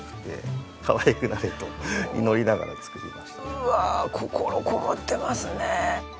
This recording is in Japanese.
うわあ心こもってますねえ。